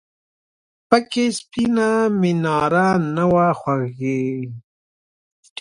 پکې سپینه میناره نه وه خوږې !